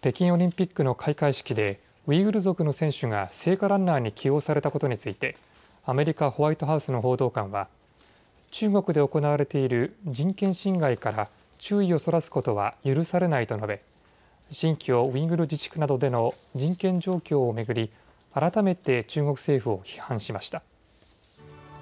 北京オリンピックの開会式でウイグル族の選手が聖火ランナーに起用されたことについてアメリカ・ホワイトハウスの報道官は中国で行われている人権侵害から注意をそらすことは許されないと述べ新疆ウイグル自治区などでの人権状況を巡り改めて中国政府を批判しました。